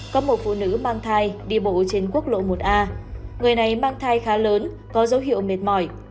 có một phụ nữ mang thai đi bộ trên quốc lộ một a người này mang thai khá lớn có dấu hiệu mệt mỏi